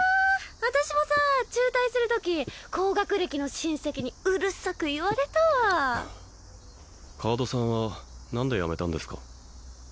私もさ中退するとき高学歴の親戚にうるさく言われたわ川戸さんは何でやめたんですか？